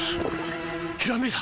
ひらめいた！